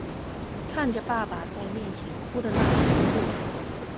看着爸爸在面前哭的那么无助